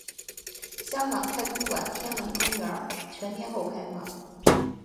香港太空馆天文公园全天候开放。